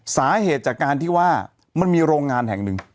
สาเหตุจากการที่ว่ามันมีโรงงานแห่งหนึ่ง